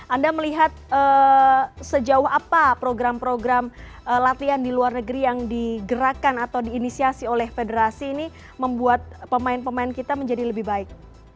anda melihat sejauh apa program program latihan di luar negeri yang digerakkan atau diinisiasi oleh federasi ini membuat pemain pemain kita menjadi lebih baik